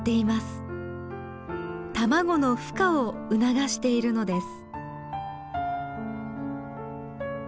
卵のふ化を促しているのです。